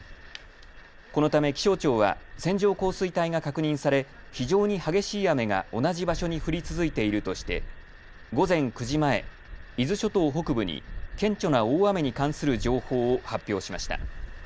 このため気象庁は線状降水帯が確認され、非常に激しい雨が同じ場所に降り続いているとして午前９時前、伊豆諸島北部に顕著な大雨に関する情報を発表しました。